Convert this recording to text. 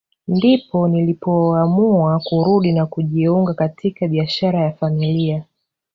Ndipo nilipoamua kurudi na kujiunga katika biashara ya familia